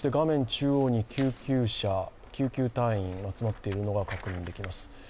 中央に救急車、救急隊員が集まっているのが確認できます。